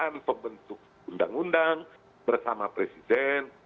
dengan pembentuk undang undang bersama presiden